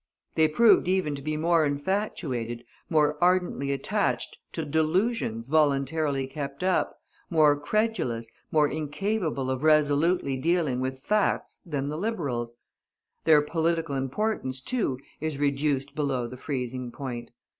They proved even to be more infatuated, more ardently attached to delusions voluntarily kept up, more credulous, more incapable of resolutely dealing with facts than the Liberals. Their political importance, too, is reduced below the freezing point.